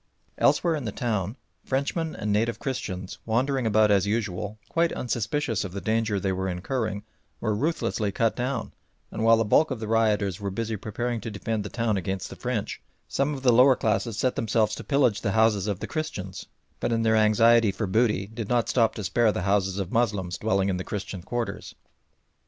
Elsewhere in the town Frenchmen and native Christians, wandering about as usual, quite unsuspicious of the danger they were incurring, were ruthlessly cut down, and while the bulk of the rioters were busy preparing to defend the town against the French, some of the lower classes set themselves to pillage the houses of the Christians, but in their anxiety for booty did not stop to spare the houses of Moslems dwelling in the Christian quarters.